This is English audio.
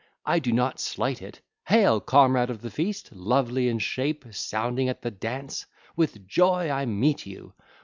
I do not slight it. Hail, comrade of the feast, lovely in shape, sounding at the dance! With joy I meet you!